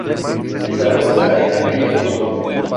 En Zaragoza hay una calle con su nombre.